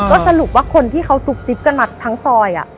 ก็สรุปว่าคนที่เขาซุกซิบกันมาทั้งซอย